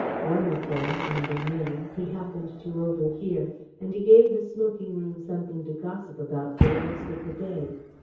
One of them, and a name, he happened to overhear, and he gave the smoking room something to gossip about for the rest of the day.